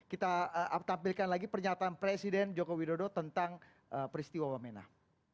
kita tampilkan lagi pernyataan presiden joko widodo tentang peristiwa wamenah